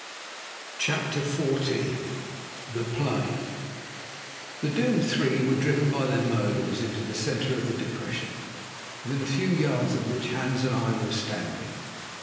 CHAPTER XIV. THE PLAY The doomed three were driven by their murderers into the centre of the depression, within a few yards of which Hans and I were standing.